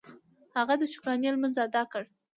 هغه د شکرانې لمونځ ادا کړ.